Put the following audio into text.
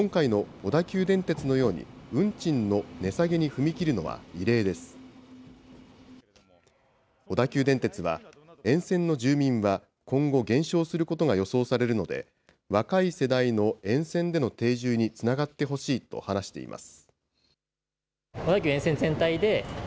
小田急電鉄は、沿線の住民は今後減少することが予想されるので、若い世代の沿線での定住につながってほしいと話しています。